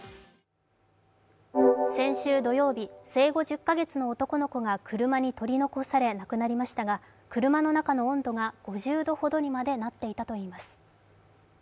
先週土曜日、生後１０か月の男の子が車に取り残され亡くなりましたが亡くなりましたが、車の中の温度が５０度ほどにまでなっていたということです。